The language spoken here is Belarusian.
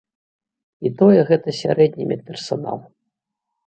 І тое гэта сярэдні медперсанал.